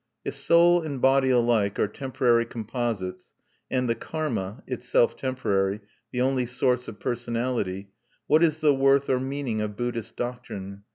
If soul and body alike are temporary composites, and the karma (itself temporary) the only source of personality, what is the worth or meaning of Buddhist doctrine?